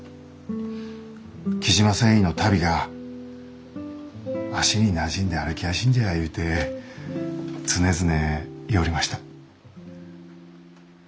雉真繊維の足袋が足になじんで歩きやしんじゃいうて常々言ようりました。